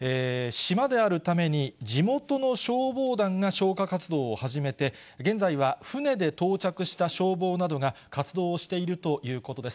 島であるために、地元の消防団が消火活動を始めて、現在は船で到着した消防などが、活動をしているということです。